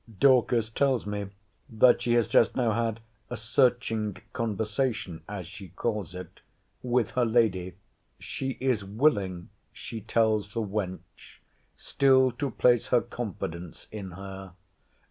Dorcas tells me, that she has just now had a searching conversation, as she calls it, with her lady. She is willing, she tells the wench, still to place her confidence in her.